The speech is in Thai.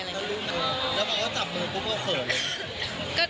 แล้วออกไปก็จับมือปุ๊ปก็เขำ